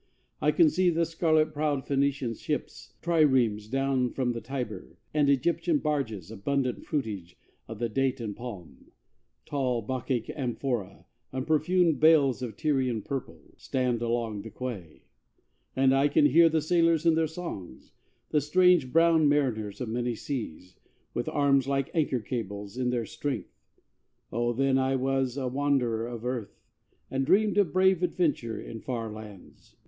I can see The scarlet prowed Phenician ships, triremes Down from the Tiber, and Egyptian barges, Abundant fruitage of the date and palm, Tall, Bacchic amphora, and perfumed bales Of Tyrian purple, stand along the quay; And I can hear the sailors and their songs, The strange, brown mariners of many seas, With arms like anchor cables in their strength: Oh, then was I a wanderer of earth, And dreamed of brave adventure in far lands!